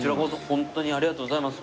ホントにありがとうございます。